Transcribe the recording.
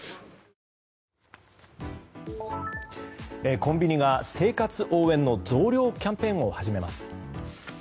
コンビニが生活応援の増量キャンペーンを始めます。